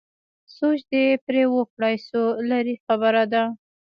سوچ دې پرې وکړای شو لرې خبره ده.